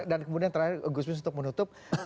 dan kemudian yang terakhir gusmin untuk menutup